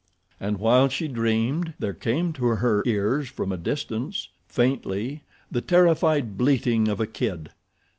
And while she dreamed there came to her ears from a distance, faintly, the terrified bleating of a kid.